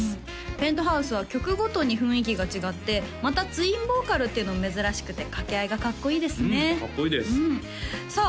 Ｐｅｎｔｈｏｕｓｅは曲ごとに雰囲気が違ってまたツインボーカルっていうのも珍しくて掛け合いがかっこいいですねうんかっこいいですさあ